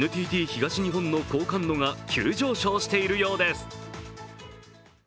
ＮＴＴ東日本の好感度が急上昇しているようです。